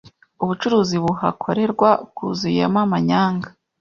ubucuruzi buhakorerwa bwuzuyemo amanyanga